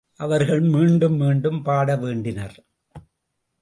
அவர்கள் மீண்டும் மீண்டும் பாடவேண்டினர்.